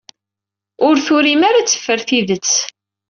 Ur turim ara ad teffer tidet.